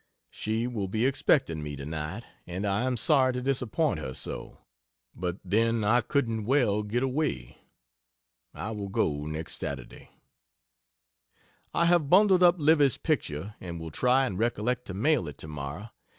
She will be expecting me tonight and I am sorry to disappoint her so, but then I couldn't well get away. I will go next Saturday. I have bundled up Livy's picture and will try and recollect to mail it tomorrow.